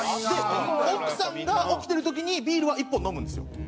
奥さんが起きてる時にビールは１本飲むんですよ。